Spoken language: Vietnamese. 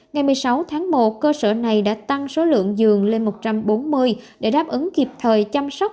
ngày một mươi sáu tháng một cơ sở này đã tăng số lượng giường lên một trăm bốn mươi để đáp ứng kịp thời chăm sóc